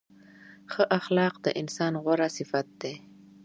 ښه اخلاق د انسان غوره صفت دی.